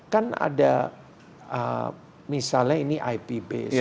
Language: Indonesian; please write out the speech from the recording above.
kan ada misalnya ini ipb